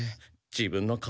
自分の顔